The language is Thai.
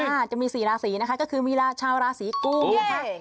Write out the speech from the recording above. อาจจะมี๔ราศีนะคะก็คือมีชาวราศีกุมนะคะ